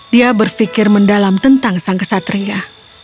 dia berpikir mendalam tentang sang kesatria